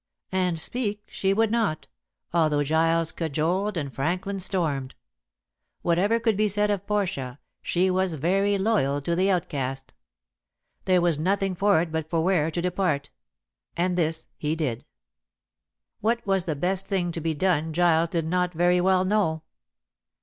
And speak she would not, although Giles cajoled and Franklin stormed. Whatever could be said of Portia, she was very loyal to the outcast. There was nothing for it but for Ware to depart. And this he did. What was the best thing to be done Giles did not very well know.